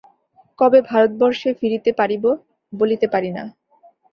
কবে ভারতবর্ষে ফিরিতে পারিব, বলিতে পারি না।